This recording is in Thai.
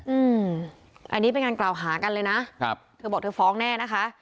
อืมอันนี้เป็นการกล่าวหากันเลยนะครับเธอบอกเธอฟ้องแน่นะคะ